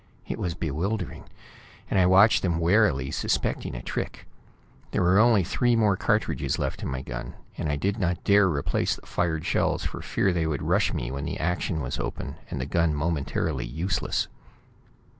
It was bewildering, and I watched them warily, suspecting a trick. There were only three more cartridges left in my gun, and I did not dare replace the fired shells for fear they would rush me when the action was open and the gun momentarily useless.